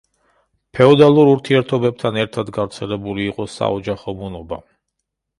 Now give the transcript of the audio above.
ფეოდალურ ურთიერთობებთან ერთად გავრცელებული იყო საოჯახო მონობა.